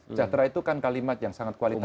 sejahtera itu kan kalimat yang sangat kualitas